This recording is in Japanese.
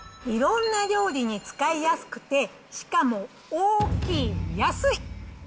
いろんな料理に使いやすくて、しかも大きい、安い。